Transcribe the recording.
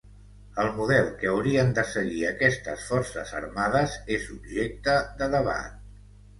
El model que haurien de seguir aquestes forces armades és objecte de debat.